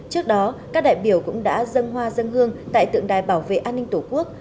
trước đó các đại biểu cũng đã dân hoa dân hương tại tượng đài bảo vệ an ninh tổ quốc